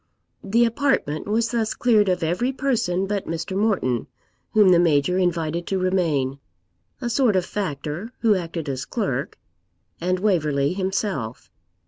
The apartment was thus cleared of every person but Mr. Morton, whom the Major invited to remain; a sort of factor, who acted as clerk; and Waverley himself.